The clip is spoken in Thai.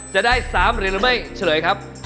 จะได้๓เรียนรับไม่เฉลยครับ